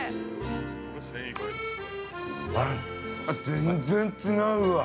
◆全然違うわ。